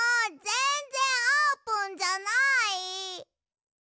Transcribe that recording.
ぜんぜんあーぷんじゃない！